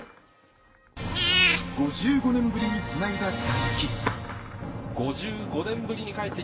５５年ぶりにつないだ襷。